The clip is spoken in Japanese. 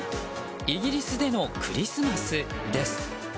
イギリスでのクリスマスです。